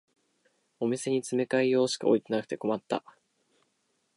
お店に詰め替え用しか置いてなくて困った